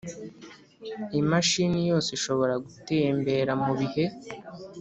Imashini yose ishobora gutembera mu bihe